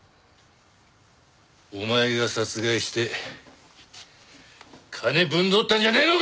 お前が殺害して金ぶん取ったんじゃねえのか！？